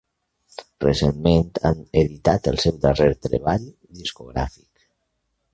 Recentment han editat el seu darrer treball discogràfic.